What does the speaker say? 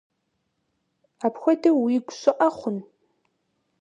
Апхуэдэу уигу щӀыӀэ хъун?